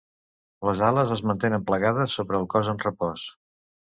Les ales es mantenen plegades sobre el cos en repòs.